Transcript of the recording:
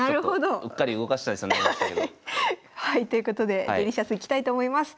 はいということでデリシャスいきたいと思います。